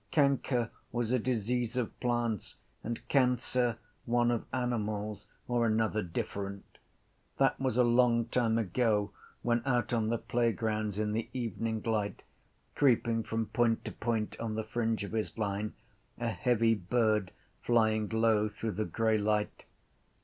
Canker was a disease of plants and cancer one of animals: or another different. That was a long time ago then out on the playgrounds in the evening light, creeping from point to point on the fringe of his line, a heavy bird flying low through the grey light.